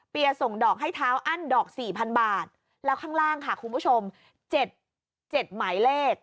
ส่งดอกให้เท้าอั้นดอก๔๐๐บาทแล้วข้างล่างค่ะคุณผู้ชม๗หมายเลข